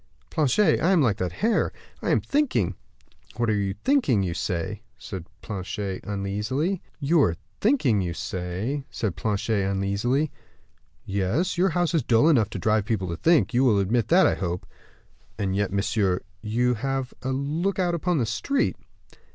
"Planchet, I am like that hare I am thinking." "You are thinking, you say?" said Planchet, uneasily. "Yes; your house is dull enough to drive people to think; you will admit that, I hope." "And yet, monsieur, you have a look out upon the street."